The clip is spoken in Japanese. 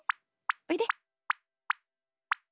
おいで。